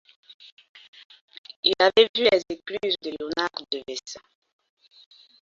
Il avait vu les écluses de Léonard de Vinci.